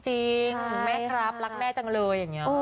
หุ่นแม่รับรักแม่จังเลยนะ